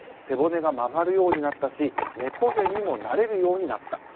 背骨が曲がるようになったし猫背にもなれるようになった。